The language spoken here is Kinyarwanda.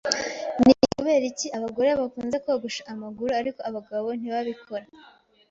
Ni ukubera iki abagore bakunze kogosha amaguru, ariko abagabo ntibabikora?